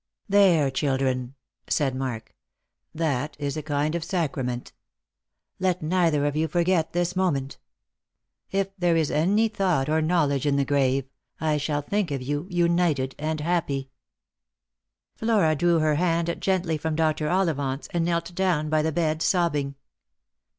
" There, children," said Mar 1 .," that is a kind of sacrament Let neither of you forget this i oment. If there \z any thought or knowledge in the grave, I shall think of you united and happy." 234t Jjost for liove. Flora drew her hand gently from Dr. Ollivant's, and knelt down by the bed, sobbing.